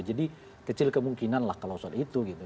jadi kecil kemungkinan lah kalau soal itu gitu